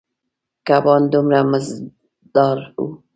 کبان دومره مزدار ووـ.